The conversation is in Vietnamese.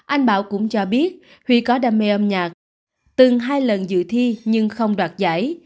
anh bảo cũng cho biết huy có đam mê âm nhạc từng hai lần dự thi nhưng không đoạt giải